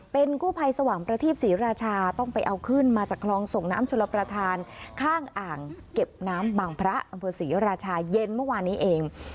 เป็นกู้ภัยสว่างประทีปศรีราชาต้องไปเอาขึ้นมาจากคลองส่งน้ำชลประธานข้างอ่างเก็บน้ำบางพระอำเภอศรีราชาเย็นเมื่อวานนี้เอง